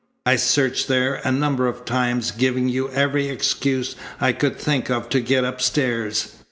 I searched there a number of times, giving you every excuse I could think of to get upstairs.